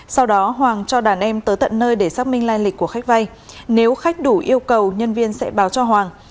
sau đó hoàng cho đàn em tới tận nơi để xác minh lai lịch của khách vay nếu khách đủ yêu cầu nhân viên sẽ báo cho hoàng